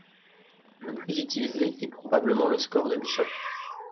Le plus utilisé est probablement le score de Bishop.